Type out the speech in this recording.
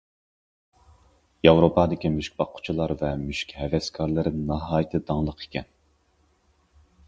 ياۋروپادىكى مۈشۈك باققۇچىلار ۋە مۈشۈك ھەۋەسكارلىرى ناھايىتى داڭلىق ئىكەن.